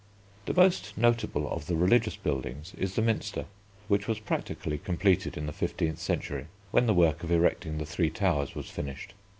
The most notable of the Religious Buildings is the Minster, which was practically completed in the fifteenth century, when the work of erecting the three towers was finished.